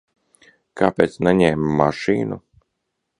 Kāpēc neņēma mašīnu?